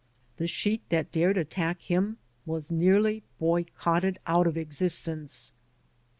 The sheet that dared attack him was nearly boycotted out of existence.